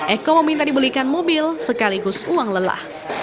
eko meminta dibelikan mobil sekaligus uang lelah